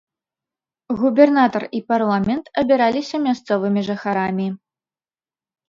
Губернатар і парламент абіраліся мясцовымі жыхарамі.